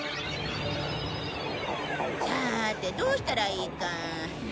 さあてどうしたらいいか。